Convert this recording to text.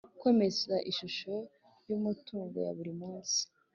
Kwemeza ishusho y umutungo ya buri munsi